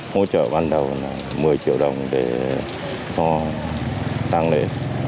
hỗ trợ ban đầu một mươi triệu đồng để cho tăng lệ